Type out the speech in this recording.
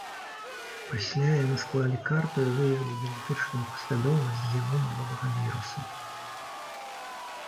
Пасля яны склалі карту і выявілі генетычную паслядоўнасць геному новага віруса.